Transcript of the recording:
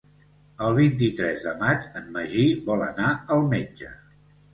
El vint-i-tres de maig en Magí vol anar al metge.